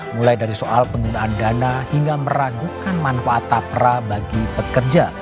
mulai dari soal penggunaan dana hingga meragukan manfaat tapra bagi pekerja